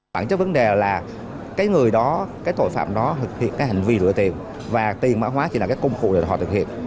bản chất vấn đề là cái người đó cái tội phạm đó thực hiện cái hành vi rửa tiền và tiền mã hóa chỉ là cái công cụ để họ thực hiện